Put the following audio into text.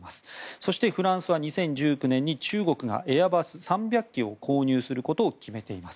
そして、フランスは２０１９年に中国がエアバス３００機を購入することを決めています。